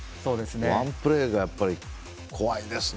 ワンプレーが怖いですね